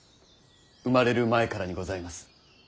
生まれる前からにございます。